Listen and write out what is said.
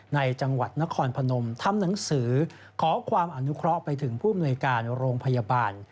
ในจังหวัดนครพนมทำหนังสือขอความอนุเคราะห์ไปถึงผู้อำนวยการโรงพยาบาล